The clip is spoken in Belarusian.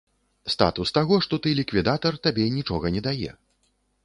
Статус таго, што ты ліквідатар, табе нічога не дае.